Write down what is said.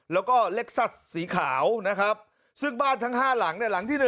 แล้วก็เล็กซัสสีขาวนะครับซึ่งบ้านทั้ง๕หลังเนี่ยหลังที่๑